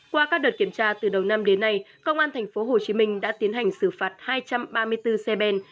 qua các đợt kiểm tra từ đầu năm đến nay công an tp hồ chí minh đã tiến hành xử phạt hai trăm ba mươi bốn xe ben